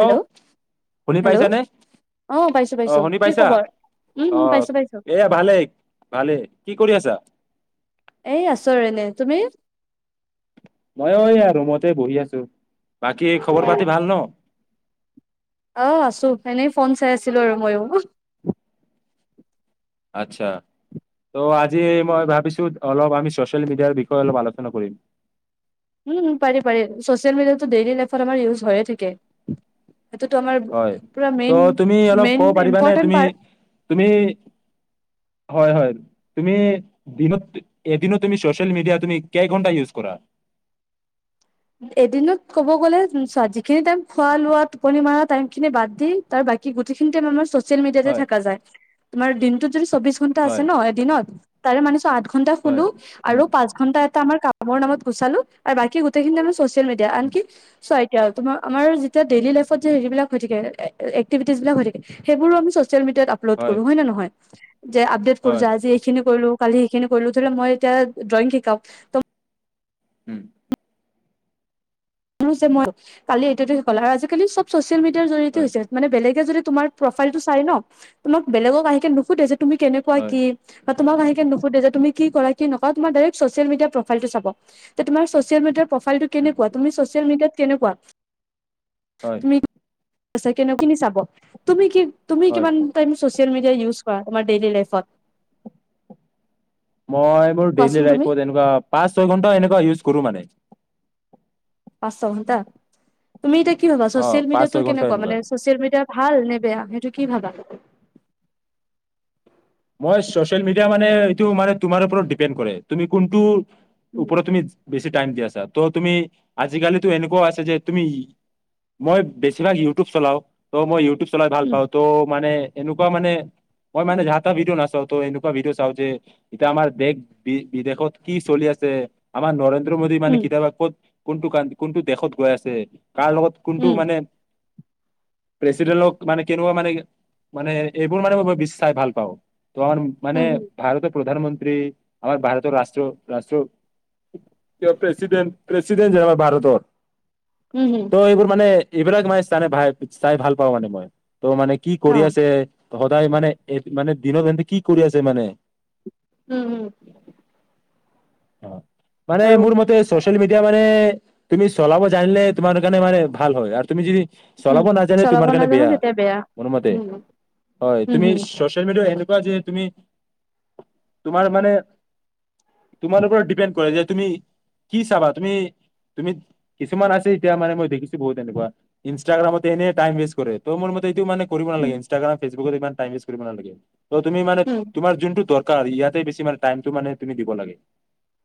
Hello hello পাইছানে অ পাইছো অ পাইছো শুনি কি পাইছা খবৰ উম অ উম পাইছো পাইছো এয়া ভালে ভালে কি কৰি আছা? এই আছো আৰু এনেই। তুমি? মইও এইয়া ৰুমতে বহি আছো। বাকী খবৰ পাতি ভাল ন? আহ আছো, এনেই ফোন চাই আছিলো আৰু মইো। আচ্ছা, ত' আজি মই ভাবিছো অলপ আমি চচিয়েল মিডিয়াৰ বিষয়ে অলপ আলোচনা কৰিম। উম, পাৰি পাৰি চচিয়েল মিডিয়াতো ডেইলি লফত আমাৰ ইউজ হৈয়ে থাকে। সেইটোতো আমাৰ হয়, পুৰা মেইন ত' তুমি অলপ মেইন ক'ব পাৰিবানে ইম্পৰ্টেণ্ট তুমি পাৰ্ট তুমি। হয় হয়, তুমি দিনত এদিনত তুমি চোচিয়েল মিডিয়া তুমি কেই ঘন্টা ইউজ কৰা। এদিনত ক'ব গ'লে যিখিনি টাইম খোৱা লোৱা টোপনি মৰাা টাইম খিনি বাদ দি তাৰ বাকি গোটেইখিনি টাইম আমাৰ। চচিয়েল মেডিয়াতে হয় থকা যায়। যদি চৌবিশ ঘন্টা আছে হয় ন এদিনত। তাৰে মানে চ। আঠঘণ্টা হয় শুলো উম আৰু পাচঁঘটা। কামৰ নামত গুচালো আৰু বাকী। আঁ। চচিয়েল মিডিয়াৰ। উম তোমাৰ আমাৰ যেতিয়া ডেইলি লাইফত যে হেৰিবলাক হৈ থাক এক্টিভিটিজিলাক হৈ থাকে সেইবোৰো আমি। চচিয়েল মিডিয়াৰ তআপলোড কৰো হয় নহয়? যে, আপডেট কৰোছ হয় আজ এইখিনি কলো। কালি সেইখিনি কৰিলোঁ, ধৰিলও মই এতিয়া ড্ৰয়িং শিকাও ত'। হম। ম যে মই কালি এইটোতে শল আৰু আজিকালি চব। মিডিয়াৰ জৰিয়তে হয় হৈছোনে বেলেগে যদি। তোমাৰ প্ৰফাইলতটো চাই ন, তোমাক বেলেগক আহিকে নোসুধে। তুমি কেনেকুৱা হয় কি। তোমাকাহে নুধে যে তুম কি কৰা কি নকৰা, তোমাৰ ডৰেক্ ছ'চিয়েল মডিয়াৰ প্ৰফাইলটো চাব তমাৰ ছ'চিয় মিডিয়াৰ। প্ৰফাইলটো উম কেনেকুৱা তুমি। কেনেকুৱা। হয়। কেনে কিনি চাব তুমি কি। তুমি হয় কিমান। চচিয়েল মেডিয়া ইউজ কৰা, ডুলি লাইফত? মই মোৰ ডেইলি কোৱাচোন তুমি লাইত এনেকুৱা পাঁচ ছয় ঘন্টা একুৱ ইউজ কৰো মানে। [unintelligible] তুমি এতিয়া ভবা, অ ছচিয়েল পাঁচ মিডিয়াতটো ছয় ঘন্টা কেনেকুৱ এনেকুৱা মানে ছচিয়েল মিডিয়াৰ। ভাল নে বেয়া সেইটো কি ভাবা তাক। মচ মিয় মানে ম তাৰৰতোন [unintelligible] উম ওপৰত তুমি বেছি টাইম দি আছা, ত' তুমি আজিকালিতো এনেকুৱাও আছে যে, তুমি মই বেছিভাগ ইউটিউব চলাও, ত মই ইউটিউব চলাই ভাল উম পাওঁ, ত' মানে এনেকুৱা মানে, মই মানে ঝা এটা ভিডিঅ' নাচাও, তো এনেকুৱা ভিডিঅ' চাওঁ যে এতিয়া আমাৰ দেশ, বি বিদেশত কি চলি আছে আমাৰ নৰেন্দ্ৰ নৰেন্দ্ৰ মোদী মানে উম কেতিয়াবা ক'ত কোনটো কা, কোনটো দেশত গৈ আছে। [unintelligible] কাৰ লগত কোনটো মানে উম প্ৰেচিডেণ্টক মানে, কেনেকুৱা মানে, মানে এইবোৰ মানে মই চাই ভাল পাওঁ। ত' মানে উম ভাৰতত প্ৰধানমন্ত্ৰী আমাৰ ভাৰতৰ ৰাষ্ট্ৰীয়, ৰাষ্ট্ৰীয়, প্ৰেচিডেণ্ট, প্ৰেচিডেণ্ট যে আমাৰ ভাৰতৰ উম হুম ত' এইবোৰ মানে এইবিলাক মানে, চাই ভ, চাই ভাল পাওঁ মানে মই। তো মানে কি অ কৰি আছে সদায় মানে এ, মানে দিনত সিহঁন্তে কি কৰি আছে মানে? উম! উম! অ'! মানে, আৰু মোৰ মতে, চচিয়েল মিডয়া মানে তুমি চলাব জানিলে, তোমাৰ কাৰণে মানে ভাল হয়, আৰু তুমি যদি উম চলাব নাজানে, চলাব তোমাৰ কাৰণে নাজানো বেয়া। তেতিয়া মোৰোমতে, উম হয় উম তুমি হুম চচিয়েল মিডিয়া এনেকুৱা যে তুমি, তোমাৰ মানে তোমালোকৰ ডিপেণ্ড কৰে যে তুমি কি চাবা, কিছুমান আছে, এতিয়া মানে মই দেখিছো বহুত এনেকুৱা, ইনষ্টাগ্ৰামত মানে, এনেই টাইম ৱেষ্ট কৰে, ত' মোৰ মতে মানে [unintelligible] কৰিব নালাগে, ইনষ্টাগ্ৰাম ফেচবুত ইমান। টাইমপাছ কৰিব নালাগে। তো তুমি মানে, উম তোমাৰ যোনটো দৰকাৰ ইয়াতে বেছি মানে, টাইমটো মানে তুমি দিব লাগে।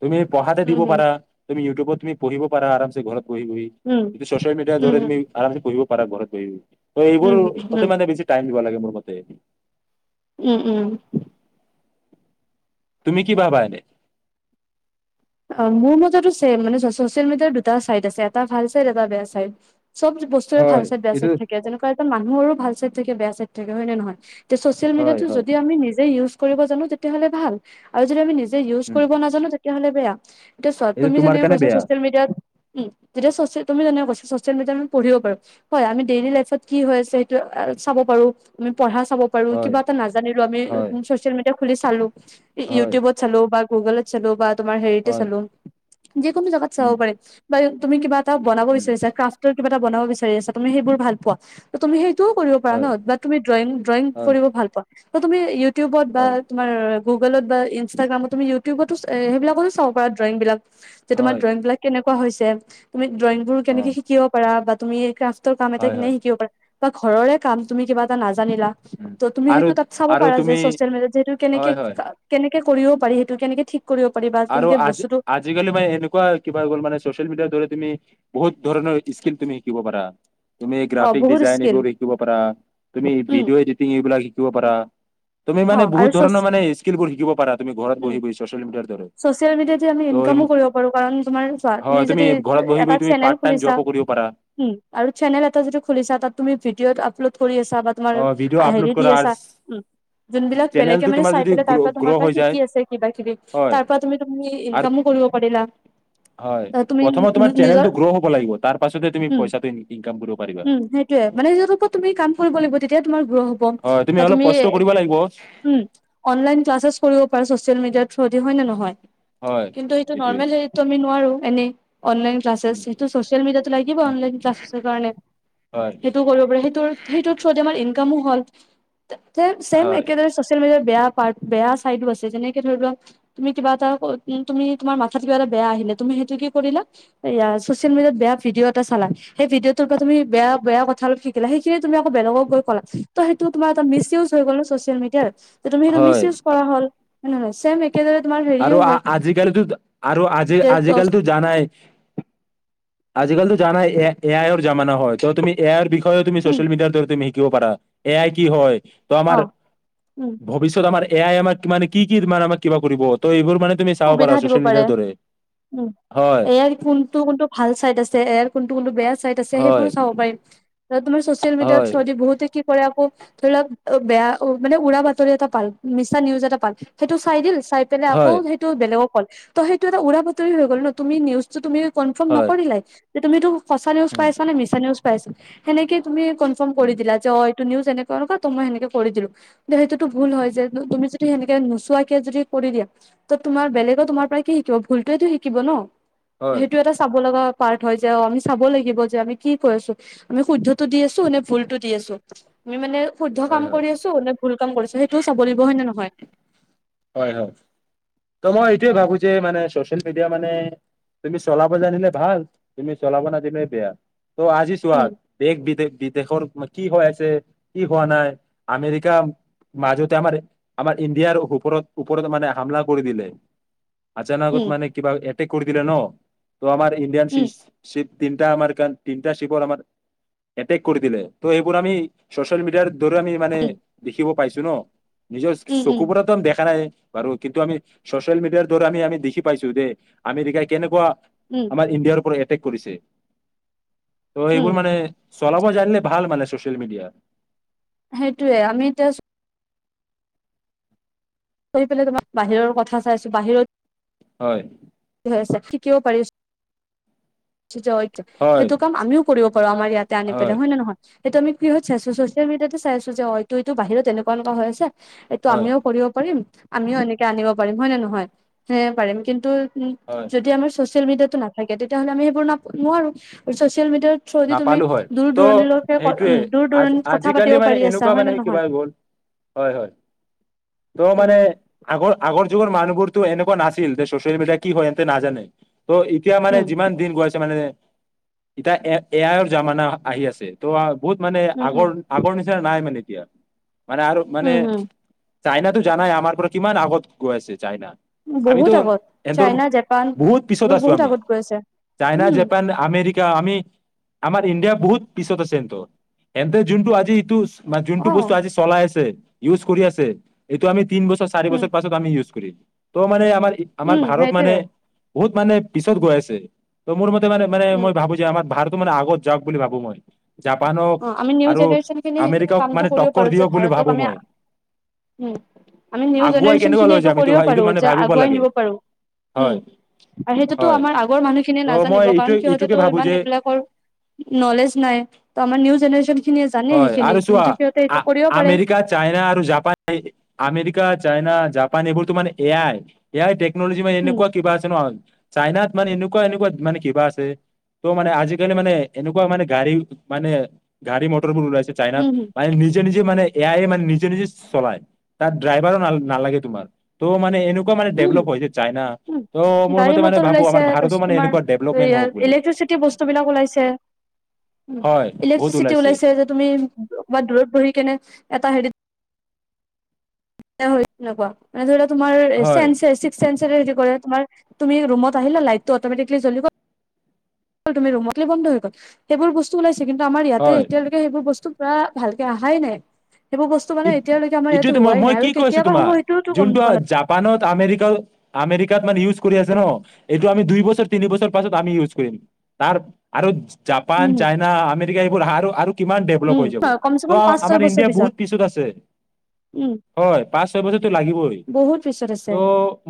তুমি পঢ়াতে উম দিব উম পাৰা। তুমি ইউটউবত, তুমি পঢ়িব পাৰা, আৰামছে ঘৰত। বহি বহি। উম এতিয়া চ'চিয়েল মিডিয়াৰ উম জৰিয়তে তুমি আৰামচে পঢ়িব পৰা ঘৰতে। ত এইবোৰ উম উম উম মতে মানে বেছি টাইম দিব লাগে। মোৰ মতে। উম! উম! তুমি কি ভাবা এনেই? অঁ মোৰ মতেতো চে মানে ছচিয়েল মিডিয়াৰ দুটা চাইড আছে এটা ভাল চাইড এটা বেয়া চাইড। চব বস্তুৰে ভাল হয় চাইড বেয়া এইটো চাইড থাকে যেনেকুৱা মানুহৰ ভাল চাইড থাকে বেয়া চাইড থাকে হয় নে নহয় ছচিয়েল হয় মিডিয়াটো হয় যদি আমি নিজে ইউজ কৰো কৰিব জানো তেতিয়া হ'লে ভাল আৰু যদি আমি নিজে নিযে ইউজ উম কৰিব নাজানো তেতিয়াহ'লে বেয়া। [unintelligible] এতিয়া চোৱা এইটো তুমি তোমাৰ যেনেকে কাৰণে কৈছা বেয়া ছচিয়েল মিডিয়াত উম যেতিয়া চছিয়েল মিডিয়াত তুমি যেনেকৈ কৈছা ছচিয়েল মিডিয়াত আমি পঢ়িব পাৰো হয় আমি ডেইলি লাইভত কি হৈ আছে সেইটো চাব পাৰো পঢ়া চাব পাৰো হয় কিবা এটা নাজানিলো আমি হয় চছিয়েল মিডিয়া খুলি চালো হয় ইউটিউবত চালো বা গুগলত চালো বা তোমাৰ ত হয় চালো যিকোনো জেগাত চাব উম পাৰে বা তুমি কিবা এটা বনাব উম বিচাৰিছা ক্ৰাফ্ট কিবা এটা বনাব বিচাৰি আছা তুমি সেইবোৰ ভালপোৱা ত' তুমি সেই সেইটো কৰিব পাৰা হয় ন বা তুমি ড্ৰয়িং ড্ৰয়িং হয় কৰিব ভাল পোৱা ত তুমি ইউ ইউটিউবত বা হয় তোমাৰ গুগলত বা ইনষ্টাগ্ৰামত তুমি ইউটিউবতো সেইবিলাকতো চাব পাৰা ড্ৰয়িং বিলাক। যে তোমাৰ হয় ড্ৰয়িং বিলাক কেনেকুৱা হৈছে। তুমি ড্ৰয়িং বোৰ অ কেনেকে শিকিব পাৰা বা। তুমি কাৰ্ফ ত কাম এটা হয় হয় কেনেকৈ শিকিব পাৰা। বা ঘৰৰে কাম তুমি কিবা এটা নাজানা। নাজানিলা উম। ত' তুমি তাত আৰু সেইটো চাব আৰু পাৰা চে তুমি চছিয়েল মিডিয়াত যে সেইটো কেনেকে হয় কি হয় কেনেকে কৰিব পাৰি সেইটো কেনেকে ঠিক কৰিব পাৰিব বা। আৰু কেনেকে আজা বস্তুটো আজিকালি বা এনেকুৱা কিবা হৈ গ'ল মানে চচিয়েল মিডিয়াৰ দৰে। তুমি বহুত ধৰণৰ স্কিল তুমি শিকিব পাৰা। তুমি অ গ্ৰাফিক বহুত ডিজাইন স্কিল এইবোৰ শিকিব পাৰা তুমি উম ভিডিঅ' এডিটিং এইবিলাক শিকিব পাৰা। তুমি অ মানে বহুত আৰু চ ধৰণ মানে স্কিলবোৰ শিকিব পাৰা তুমি ঘৰত উম বহি বহি চচিয়েল মেডিয়াৰ দৰে। চচিয়েল মেডিয়াতে আমি ত' ইনকামো কৰিব পাৰো, কাৰণ তোমাৰ চোৱা, হয় তুমি ঘৰত বহি এটা বহি তুমি চেনেল পাৰ্ট টাইম খুলিছা, জবো কৰিব পাৰা আৰু চেনেল এটা যদি খুলিছা, তাত তুমি ভিদিঅ আপলোড কৰি। আছা তোমাৰ অ ভিডিঅ' আপলোড হেৰি দি কৰা আৰু আছা, উম, যোনবিলাক বেলেগে চেনেলটো মানে তোমাৰ চাই যদি পেলাই গ্ৰ তাৰ পৰা তোমাৰ গ্ৰ' পৰা হৈ যায় শিকি আছে কিবা কিবি। হয় তাৰ পৰা তুমি তুমি আৰু ইনকামো কৰিব পাৰিলা। হয় ত তুমি প্ৰথমত তোমাৰ নিজৰ, চেনেলটো গ্ৰ' হ'ব লাগিব তাৰ পাছতে তুমি পইচাটো ইনকাম কৰিব পাৰিবা সেইটোৱে। মানে নিজৰ ওপৰত তুমি কাম কৰিব লাগিব। তোমাৰ। হয় বা অলপ তুমি, কষ্ট কৰিব লাগিব উম, অনলাইন ট্ৰাঞ্চলেছ কৰিব পাৰে চচিয়েল মেডিয়াত। হয় নে নহয়? হয় কিন্তু সেটো এইটোৱে নৰ্মেল হেৰিটো আমি নোৱাৰো। এ। অনলাইন ক্লাচেছ, সেইটো ছ'চিয়েল মিডিয়াটো লাগিব অনলাইন ক্লাচেছৰ কাৰণে। হয় সেইটো কৰিব পাৰি সেইটো সেইটোৰ থ্ৰদি আমাৰ ইনকামো হ'ল। চে চেম হয় একেদৰে চচিয়েল মেদিয়া। বেয়া পাৰ্ট বেয়া চাইডো আছে, যেনেকে ধৰি লোৱা। তুমি কিবা এটা তুমি তোমাৰ মাথাত কিবা এটা বেয়া আহিলে, তুমি সেইটো কি কৰিলা এইয়া ছচিয়েল মিডিয়াত বেয়া ভিডিঅ এটা চালা। সেই ভিডিঅ'টোৰ পৰা তুমি বেয়া বেয়া কথা অলপ শিকিলা। সেইখিনিয়ে তুমি আকৌ বেলেগক গৈ কলা, ত সেইটো তোমাৰ এটা মিছ ইউজ হৈ গ'ল ন ছ'চিয়েল মিডিয়াৰ। তুমি সেইটো মিছ ইউজ কৰা হল। হয় নহয়? ছেম একে। আ আ আজিকালিটো ত। আৰু আজি যে আজিকালিটো জানাই। আজিকালিতো জানাই, এ আই ৰ জামানা হয়। ত' তুমি এ ৰ বিষ। তই তুমি উম চচিয়েল মেদিয়াৰ দৰে তুমি। শিকিব পাৰ, এ আই কি হয়? ত আমাৰ অ উম ভৱিষ্যত আমাৰ। এ আই আমাক কিমান কি কি ত মানে আমাক কিবা কৰিব। ত এইবোৰ। মানে তুমি চাব পাৰা সুবিধা দিব ছচিয়েল পাৰে। মিডিয়াৰ দৰে উ হয়, এ আইৰ কোনটো কোনটো ভাল চাইড আছে এ আইৰ? কোনটো কোনটো বেয়া চাইট আছে হয়, সেইবোৰো চাব পাৰিম। এতিয়া তুমি চচিয়েল মেদিয়া হয়, থ্ৰয়েদি বহুত। কি কৰে আকৌ, ধৰি লওক বেয়া মানে উৰা বাতৰি এটা পাল, মিছা নিউজ এটা পাল, সেইটো চাই দিল। চাই পেলাই আকৌ। হয়, বেলেগক কল। ত সেইটো এটা উৰা বাতৰি হৈ গ'ল ন। তুমি নিউজটো তুমি। কনফ্ম হয়, নকৰিলাই। তে তুমিটো। সঁচা নিউচ উম, পাইছা নে মিছা নিউচ পাইছে? সেনেকে তুমি কনফ্ম উম, কৰিদিলা যে অঁ নিউজ এনেকুৱা এনেকুৱা ত মই সেনেকে কৰি দিলো, ত সেইটোত ভুল হয় যে তুমি যে সেনেকে নোচোৱাকে যদি কৰি দিয়ে ত তোমাৰ বেলেগৰ তোমাৰ পৰা কি শিকিব ভুলটোয়েতো শিকিব ন। হয়, সেইটো এটা চাব লগা পাৰ্ট হয় যে অ আমি চাব লাগিব যে আমি কি কৰি আছো আমি শুদ্ধতটো দি আছো নে ভুলটো দি আছো, আমি মানে শুদ্ধ কাম হয়, হয়, কৰি আছো নে ভুল কাম কৰিছো? সেইটোও চাব লাগিব হয় নে নহয়? হয় হয়। ত মই এইটোয়ে ভাবো যে মানে মডিয়া মানে তুমি চলাব জানিলে ভাল তুমি চলাব নাজিলে বেয়া। ত আজি চোৱা উম দেশ বিদেশ বিদেশৰ কি হৈ আছে কি হোৱা নাই আমেৰিকা মাজতে আমাৰ আমাৰ ইণ্ডিয়াৰ ওপৰত ওপৰত মানে হামলা কৰি দিলে। অচানকত উম মানে কিবা কৰি দিলে ন। ত' আমাৰ উম ইণ্ডিয়ানচিপ তিনিটা আমাৰ তিনিটা শিপৰ আমাৰ এটেক কৰি দিলে ত এইবোৰ আমি চচিয়েল মিডিয়াৰ দৰে আমি মানে উম দেখিব পাইছো। চুন নিজৰ উম চকু উম পৰা দেখা নাই বাৰু কিন্তু আমি চচিয়েল মিডিয়াৰ দৰে আমি আমি দেখি পাইছো দ আমেৰিকাই কেনেকুৱা উম আমাৰ ইণ্ডিয়াৰ পৰা এটেক কৰিছে। ত' উম এইবোৰ মানে চলাব জানিলে ভাল মানে ছচিয়েল মিডিয়া। সেইটোয়ে আমি এতিয়া কৰি পেলাই তোমাক বাহিৰৰ কথা চাইছো বাহিৰত হয়। ছে কি কিয় পৰিছে হয় সেইটো কাম আমিও কৰিব প আমাৰ ইয়াতে আনি পেলে হয় নে নহয়। সেইটো আমি কিহত চাইছো চচিয়েল মিডিয়াতে চাইছো যে অ এই বাহিৰত এনেকুৱাকুৱা হৈ আছে এইটো হয় আমিও কৰিব পাৰিম। আমিও এনেকে আনিব পাৰিম হয় নে নহয় সে পাৰিম কিন্তু উম হয় যদি আমাৰ চছিয়েল মেডিয়া নাথাকে তেতিয়াহলে আমি সেইবোৰ নোৱাৰো। মিডিয়াৰ থ্ৰুদি তুমি নাপালো হয় দূৰ ত' দূৰণিলৈকে সেইটোৱে উম দূৰ আ দূৰণিত কথা পাতিব আজিকালি মানে পাৰি আছা এনেকুৱা হয় মানে নে কিবা নহয় গ'ল হয় হয় ত' উম মানে আগৰ আগৰ আগৰ যুগৰ মানুহবোৰতো এনেকুৱা নাছিল যে চচিয়েল মিডিয়া কি হয় সিহঁতে নাজানে। ত' এতিয়া মানে উম যিমান দিন গৈ আছে মানে এতিয়া এ এ আইৰ জামানা আহি আছে ত বহুত মানে উম উম আগৰ আগৰ নিচিনা নাই মানে এতিয়া মানে আৰু মানে উম উম চাইনাতো জানাই আমাৰ পৰা কিমান আগত গৈ আছে চাইনা আমিতো বহুত আগত সিহঁতৰ চাইনা জাপান বহুত পিছত এইবোৰ আছো বহুত আমি আগত গৈ আছে চাইনা উম জাপান আমেৰিকা কা আমি আমাৰ ইণ্ডিয়া বহুত পিছত আছে কিন্তু এন্তে যোনটো আজি এইটো মানে যোনটো অ বস্তু আজি চলাই আছে ইউজ কৰি আছে এইটো আমি তিন বছৰ চাৰি উম বছৰ পাছত আমি ইউজ কৰিম ত' মানে আমাৰ আমাৰ উম ভাৰত সেইটোয়ে মানে বহুত মানে পিছত গৈ আছে ত মোৰ মতে ত মানে উম মই ভাবো যে আমাৰ ভাৰতো মানে আগত যাওক বুলি ভাবো মই জাপানক অ আমি নিউ আৰু জেনেৰে্যন খিনি সেইখিন আমেৰিকাক কামটো মানে কৰিব টক্কৰ পাৰো যে দিয়ক বুলি ভাৰতক ভাবো আমি মই উম আমি নিউ আগুৱাই জেনেৰে্যন কেনেকুৱা খিনি লৈ এইটো যাম কৰিব পাৰো মানে যে ভাবিব আগুৱাই লাগে নিব পাৰো উম হয় আৰু সেইটোতো হয় আমাৰ আগৰ মানুহখিনিয়ে ত' মই নাজানিব এইটো কাৰণ এইটোকে সিহঁতে ভাবো ইমান যে এইবিলাকৰ নলেজ নাই। ত আমাৰ নিউ জেনেৰেশ্যন খিনিয়ে জানে হয় সেইখিনি আৰু চোৱা কিন্তু সিহঁতে এইটো কৰিব পাৰে আমেৰিকা চাইনা আৰু জাপান আমেৰিকা চাইনা জাপান এইবোৰ তো মানে এয়াই এ য়াই মান উম এনেকুৱা কিবা হয়ছেন চাইনাই মানে এনেকুৱা এনেকুৱা মানে কিবা আছে ত' মানে আজি আজিকালি মানে এনেকুৱা মানে গাড়ী মানে গাড়ী মটৰবোৰ ওলাইছে চাইনাত উম মানে নিজে নিজে মানে এয়াই মানে নিজে নিজে চলাই তাত ড্ৰাইভাৰ ন নালাগে তোমাৰ ত' মানে এনে কুৱা মানে উম ডেভলপ হৈছে চাইনা উম ত মোৰ গাড়ী মতে মানে মটৰ ভাবো ওলাইছে আমাৰ ভাৰতো তাৰপিছত মানে তোমাৰ এনেকুৱা ডেভলপমেণ্ট হওক বুলি চে হয় বহুত ইলেকট্ৰিচিতি ওলাইছে যে তুমি দূৰত পঢ়ি কিনে এটা হাৰি। হৈ নকোৱা মানে ধৰি লক। তোমাৰ হয় চেনচিছীকচেনছ। হে তোমাৰ তুমি ৰুমত আহিলা লাইটটো অটমেটিকলি জ্বলিব। তুমি ৰুমক বন্ধ গল সেইবোৰ বস্তু ওলাই। কিন্তুআমাৰ ইয়াতে হয় এতিয়ালৈকে সেইবোৰ বস্তু। পৰা ভালকে অহাই নাই। সেইবোৰ বস্তু ই মানে এতিয়ালৈকে আমাৰ ইয়াতে ইটোৱেটো মই হোৱাই মই নাই কি আৰু কৈ আছো কেতিয়াবা হ'ব তোমাক সেইটোওতো গম যোনটো পোৱা নাই জাপানত আমেৰিকা। আমেৰিকাত মানে ইউজ কৰি আছে ন এইটো আমি দুই বছৰ তিনি বছৰ পাছত আমি ইউজ কৰিম তাৰ আৰু। জাপান উম হম চাইনা আমেৰিকা। আৰু। কিমান ডেভেলপ উম হৈ যাব কমচে ত কম পাঁচ ছয় আমাৰ বছৰ ইণ্ডিয়া বহুত। পিছত আছে উম হয় পাঁচ ছয় বছৰো লাগিবই বহুত পিছত ত' আছে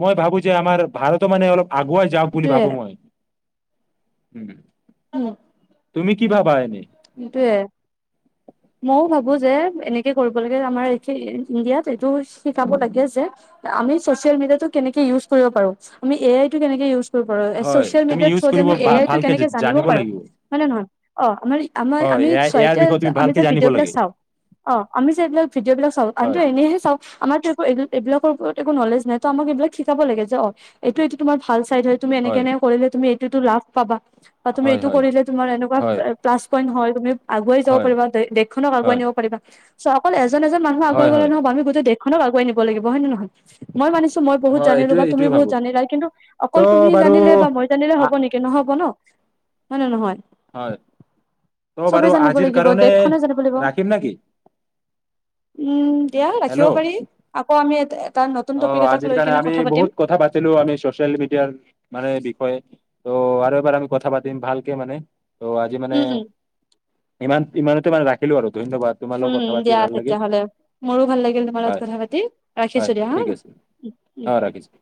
মই ভাবো যে আমাৰ ভাৰতৰ মানে অলপ আগুৱাই যাওক বুলি সেইটোয়ে ভাবো মই। উম। উম তুমি কি ভাবা এনেই। সেইটোয়ে ময়ো ভাবো যে এনেকে কৰিব লাগে আমাৰ ইণ্ডিয়াত এইটো শিকাব লাগে যে আমি চছিয়েল মেডায়েটো কেনেকে ইউজ্ কৰিব পাৰোঁ আমি এ আইটো কেনেকে ইউজ কৰি। হয় চচিয়েল তুমি মিডিয়াৰ ইউজ থ্ৰ কৰিব আমি এ ভা- আই টো ভালকে কেনেকে জা- জানিব পাৰো লাগিব হয় নে নহয় অ আমাৰ। আমাৰ হয় আমি এ চোৱা ইয়াৰ এতিয়া বিষয়ে তুমি আমি ভালকে যে জানিব ভিডিঅ' বিলাক লাগে চাও অ আমি যে এইবাক ভিডিঅ' বিলাক চাওঁ আমিো হয় এনেহে চাও আমাৰ এই এইবিলাকৰ। একো নলেজ নাই ত আমাক এইবিলাক শিকাব লাগে যে অ এইটো এইটো তোমাৰ ভাল। তুমি এনেকে হয় এনেকে কৰিলে তুমি। টো লাভ পাবা। তুমি হয় এইটো হয় কৰিলে তুমাৰ এনেকুৱা হয় পাল্লাচ। কয় নহয় তুমি আগুৱাই যাব হয় পাৰিবা দেশখনক আগুৱাই হয় নিব পাৰিবা। অকল এজ। এজন মানুহ হয় আগুৱাই গলে হয় নহব আমি গোটেই দেশ। খন আগুৱাই নিব লাগিব হয় নে নহয় মই মানি। মই বহুত হয় জানিলো এইটোৱে বা তুমি এইটোৱে বহুত ভাবো জানিলা কিন্তু ত' অকল তুমি বাৰু জানিলে বা মই জানিলে আ হব নেকি নহব ন। হয় নে নহয়। হয়। ত' চবে বাৰু জানিব আজিৰ লাগিব কাৰণে দেশখনে জানিব লাগিব ৰাখিম নেকি উম দিয়া ৰাখিব হেল্ল' পাৰি আ। ক আমি। এটা নতুন অ টপিক এটাক আজিৰ লৈ কাৰণে কেনে আমি কথা পাতিম বহুত কথা পাতিলো আমি চচিয়েল মিডিয়াৰ মানে বিষয়ে। তো আৰু এবাৰ আমি। কথা পাতিম ভালকে মানে ত' আজি মানে। উম উম ইমান ইমানতে মানে ৰাখিলো আৰু। ধন্যবাদ তোমাৰ লগত উম কথা পাতি দিয়া ভাল লাগিল তেতিয়াহলে, মোৰো ভাল লাগিল তোমাৰ লগত হয় কথা পাতি, হয় ৰাখিছো দিয়া। হা ঠিক আছে উম উম। অ ৰাখিছো।